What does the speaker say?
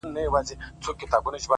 اوس چي د مځكي كرې اور اخيستـــــى!